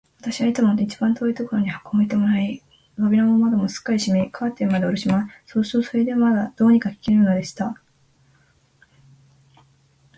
私はいつも一番遠いところに箱を置いてもらい、扉も窓もすっかり閉め、カーテンまでおろします。そうすると、それでまず、どうにか聞けるのでした。